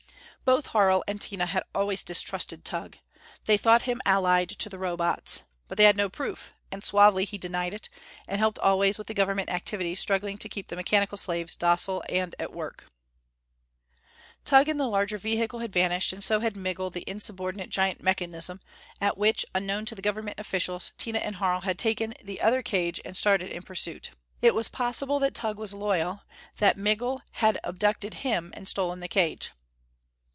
Both Harl and Tina had always distrusted Tugh. They thought him allied to the Robots. But they had no proof; and suavely he denied it, and helped always with the Government activities struggling to keep the mechanical slaves docile and at work. Tugh and the larger vehicle had vanished, and so had Migul, the insubordinate, giant mechanism at which, unknown to the Government officials, Tina and Harl had taken the other cage and started in pursuit. It was possible that Tugh was loyal; that Migul had abducted him and stolen the cage.